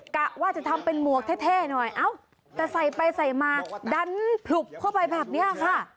กะว่าจะทำเป็นหมวกเท่หน่อยเอ้าแต่ใส่ไปใส่มาดันผลุบเข้าไปแบบนี้ค่ะ